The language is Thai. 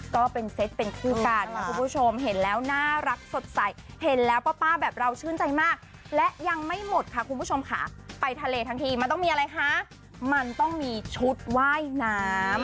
ก็เป็นเซตเป็นคู่กันนะคุณผู้ชมเห็นแล้วน่ารักสดใสเห็นแล้วป้าแบบเราชื่นใจมากและยังไม่หมดค่ะคุณผู้ชมค่ะไปทะเลทั้งทีมันต้องมีอะไรคะมันต้องมีชุดว่ายน้ำ